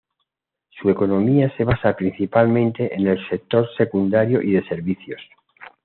Su economía se basa principalmente en el sector secundario y de servicios.